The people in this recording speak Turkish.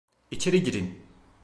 İçeri girin!